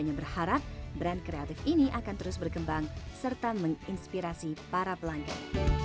hanya berharap brand kreatif ini akan terus berkembang serta menginspirasi para pelanggan